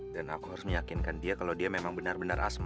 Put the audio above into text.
dan aku harus meyakinkan dia kalau dia memang benar benar asma